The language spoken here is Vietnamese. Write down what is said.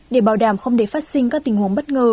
để bảo đảm không để phát sinh các tình huống bất ngờ